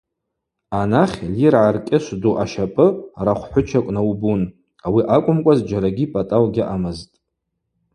Анахь Льиргӏа Ркӏьышвду ащапӏы рахв хӏвычакӏ наубун, ауи акӏвымкӏва зджьарагьи пӏатӏау гьаъамызтӏ.